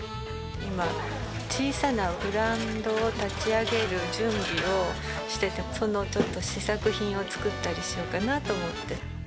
今、小さなブランドを立ち上げる準備をしてて、その試作品を作ったりしようかなと思って。